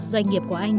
doanh nghiệp của anh